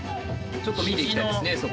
ちょっと見ていきたいですねそこ。